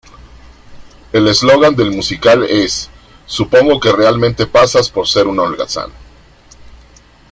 El eslogan del musical es ‘Supongo que realmente pagas por ser un holgazán’.